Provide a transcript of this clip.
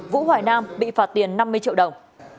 vũ hoài nam bị phạt tiền năm mươi triệu đồng